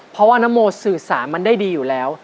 เพราะว่านโมสื่อสารมันได้ดีอยู่แล้ว